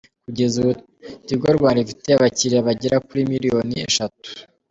Kugeza ubu Tigo Rwanda ifite abakiriya bagera kuri miliyoni eshatu.